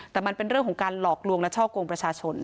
แต่มันเป็นเรื่องของการหลอกลวงและช่อกงประชาชน